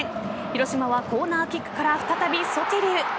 広島はコーナーキックから再びソティリウ。